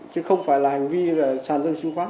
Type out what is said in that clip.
chứ không phải là hành vi sàn dân chứng khoán